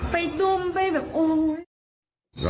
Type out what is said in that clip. ไปตุ้มไปแบบโอ๊ย